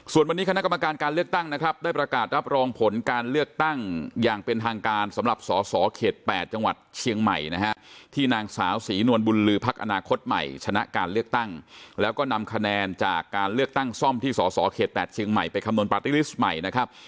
ส่วนวันนี้คณะกรรมการการเลือกตั้งนะครับได้ประกาศรับรองผลการเลือกตั้งอย่างเป็นทางการสำหรับสอสอเขต๘จังหวัดเชียงใหม่นะฮะที่นางสาวศรีนวลบุญลือพักอนาคตใหม่ชนะการเลือกตั้งแล้วก็นำคะแนนจากการเลือกตั้งซ่อมที่สสเขต๘เชียงใหม่ไปคำนวปาร์ตี้ลิสต์ใหม่นะครับ